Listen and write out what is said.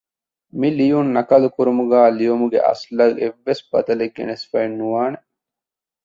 މިލިޔުން ނަކަލުކުރުމުގައި ލިޔުމުގެ އަސްލަށް އެއްވެސް ބަދަލެއް ގެނެސްފައެއް ނުވާނެ